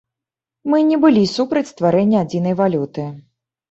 Мы не былі супраць стварэння адзінай валюты.